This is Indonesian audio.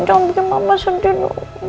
jangan bikin mama sedih